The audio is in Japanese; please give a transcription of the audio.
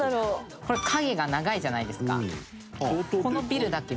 「これ影が長いじゃないですか」